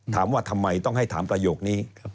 ถามว่าทำไมต้องให้ถามประโยคนี้